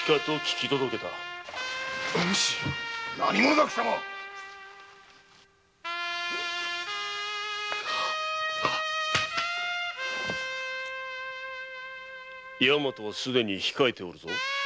何者だキサマ大和はすでに控えておるぞ。